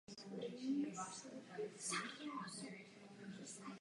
Tradici ukládání těchto darů do chrámu lze vysledovat již od starověkého Egypta.